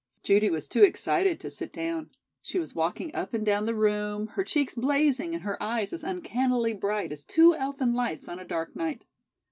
Judy was too excited to sit down. She was walking up and down the room, her cheeks blazing and her eyes as uncannily bright as two elfin lights on a dark night.